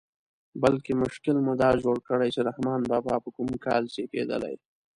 بلکې مشکل مو دا جوړ کړی چې رحمان بابا په کوم کال زېږېدلی.